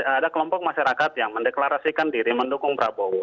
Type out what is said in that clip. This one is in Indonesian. ada kelompok masyarakat yang mendeklarasikan diri mendukung prabowo